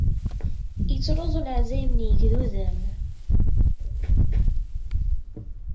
Ittruẓu leɛzayem n yigduden.